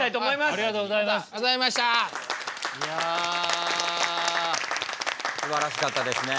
すばらしかったですね。